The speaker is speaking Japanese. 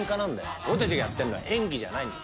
「俺たちがやってんのは演技じゃないんだ。